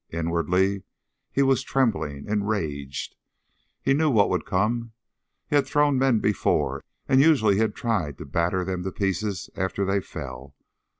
Inwardly he was trembling, enraged. He knew what would come. He had thrown men before, and usually he had tried to batter them to pieces after they fell.